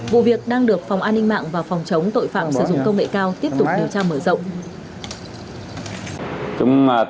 vụ việc đang được phóng tăng